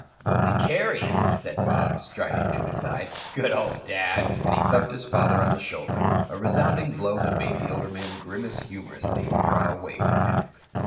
"Will we carry him?" said Bob, striding to his side. "Good old Dad." And he thumped his father on the shoulder, a resounding blow that made the older man grimace humorously and draw away from him.